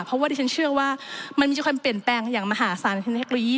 เพราะว่าดิฉันเชื่อว่ามันมีความเปลี่ยนแปลงอย่างมหาศาลคือเทคโนโลยี